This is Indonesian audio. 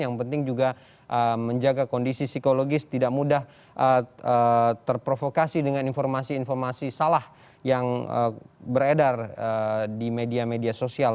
yang penting juga menjaga kondisi psikologis tidak mudah terprovokasi dengan informasi informasi salah yang beredar di media media sosial